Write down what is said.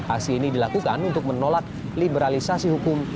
aksi ini dilakukan untuk menolak liberalisasi hukum